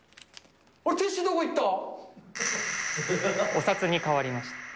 お札に変わりました。